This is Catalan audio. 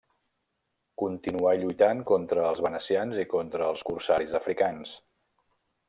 Continuà lluitant contra els venecians i contra els corsaris africans.